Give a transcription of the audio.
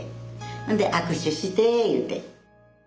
ほんで握手して言うて。